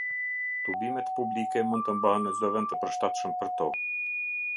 Tubimet publike mund të mbahen në çdo vend të përshtatshëm për to.